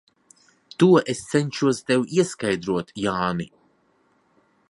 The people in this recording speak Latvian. To es cenšos tev ieskaidrot, Jāni.